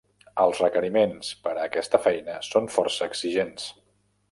Els requeriments per a aquesta feina són força exigents.